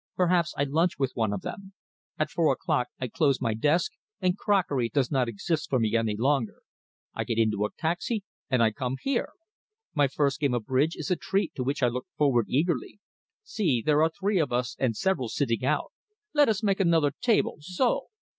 Perhaps I lunch with one of them. At four o'clock I close my desk, and crockery does not exist for me any longer. I get into a taxi, and I come here. My first game of bridge is a treat to which I look forward eagerly. See, there are three of us and several sitting out. Let us make another table. So!"